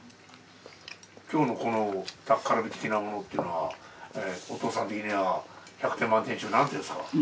今日のこのタッカルビ的なものっていうのはお父さん的には１００点満点中何点ですか？